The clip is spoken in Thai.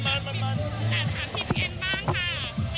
แต่หาผิดเอ็นบ้างค่ะ